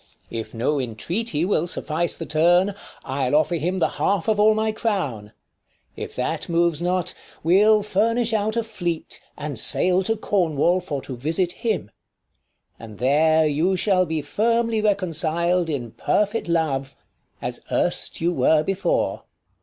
If no entreaty will suffice the turn, 5 5 I'll offer him the half of all my crown : If that moves not, we'll furnish out a fleet, And sail to Cornwall for to visit him ; And there you shall be firmly reconcil'd In perfit love, as erst you were before.